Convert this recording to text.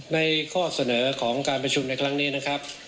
ข้อเสนอของการประชุมในครั้งนี้นะครับ